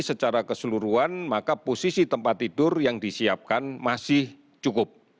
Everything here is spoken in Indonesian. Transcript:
secara keseluruhan maka posisi tempat tidur yang disiapkan masih cukup